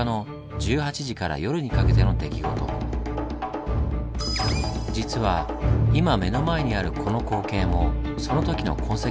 実は今目の前にあるこの光景もその時の痕跡なんです。